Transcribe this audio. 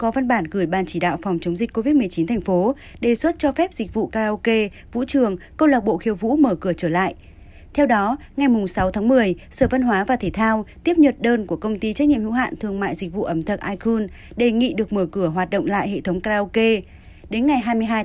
xin được cứu xét cho dịch vụ karaoke của hệ thống nice hoạt động trở lại